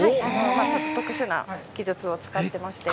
ちょっと特殊な技術を使っていまして。